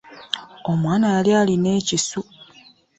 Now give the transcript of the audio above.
Omwan yali alina ekisu ?